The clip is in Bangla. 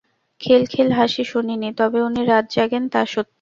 খিলখিল হাসি শুনি নি, তবে উনি রাত জাগেন তা সত্যি।